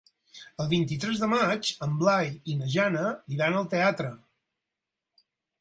El vint-i-tres de maig en Blai i na Jana iran al teatre.